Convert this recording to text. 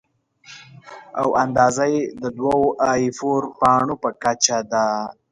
او اندازه یې د دوو اې فور پاڼو په کچه ده.